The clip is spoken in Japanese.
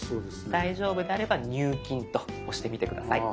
大丈夫であれば「入金」と押してみて下さい。